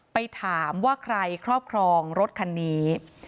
ไปถามว่าใครครอบครองรถคันนี้